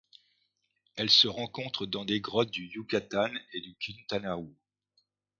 Elle se rencontre dans des grottes du Yucatán et du Quintana Roo.